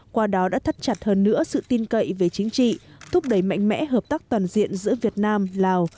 qua đó đã thắt chặt hơn nữa sự tin cậy về chính trị thúc đẩy mạnh mẽ hợp tác toàn diện giữa việt nam lào